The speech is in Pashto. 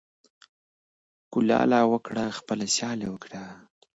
ـ کولاله وکړه خپله سياله وکړه.